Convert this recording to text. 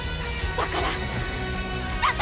だから！